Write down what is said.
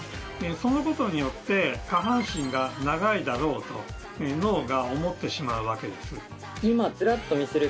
そのことによって下半身が長いだろうと脳が思ってしまうわけです。